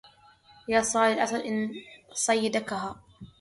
يا صائد الأسد إن صيدكها